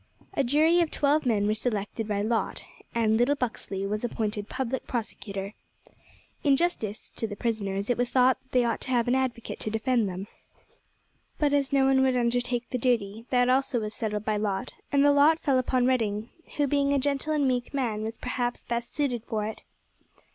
A jury of twelve men were selected by lot, and little Buxley was appointed public prosecutor. In justice to the prisoners it was thought that they ought to have an advocate to defend them, but as no one would undertake the duty, that also was settled by lot, and the lot fell upon Redding, who, being a gentle and meek man, was perhaps best suited for it.